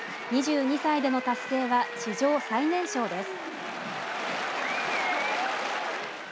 ２２歳での達成は史上最年少です。